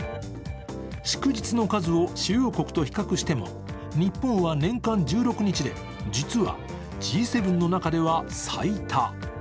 祝日の数を主要国と比較しても日本は年間１６日で実はＧ７の中では最多。